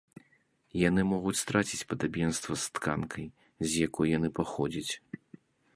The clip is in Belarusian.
Яны могуць страціць падабенства з тканкай, з якой яны паходзяць.